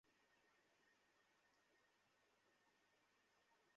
দেখে খুশি মনে হচ্ছে না?